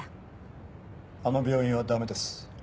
あの病院は駄目です。